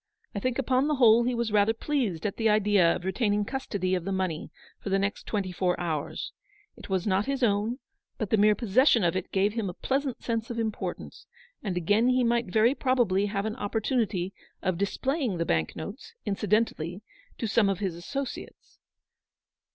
I think upon the whole he was rather pleased at the idea of retaining custody of the money for the next twenty four hours. It was not his own, but the mere possession of it gave him a pleasant sense of importance; and again he might very probably have an opportunity UPON THE THRESHOLD OF A GREAT SORROW. 79 of displaying the bank notes, incidentally, to some of his associates.